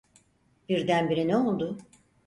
Birdenbire ne oldu?